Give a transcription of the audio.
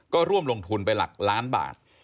ก็ร่วมลงทุนไปหลักล้านบาท